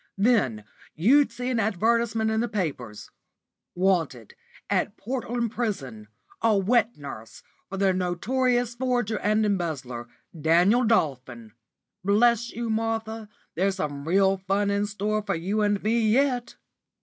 Then you'd see an advertisement in the papers, 'Wanted, at Portland Prison, a wet nurse for the notorious forger and embezzler, Daniel Dolphin.' Bless you, Martha, there's some real fun in store for you and me yet."